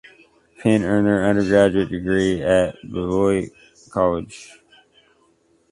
Penn earned their undergraduate degree at Beloit College.